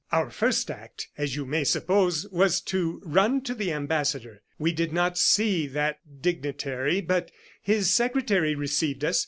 "Our first act, as you may suppose, was to run to the ambassador. We did not see that dignitary, but his secretary received us.